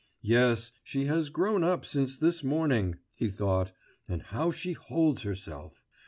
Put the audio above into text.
'Yes, she has grown up since this morning!' he thought, 'and how she holds herself!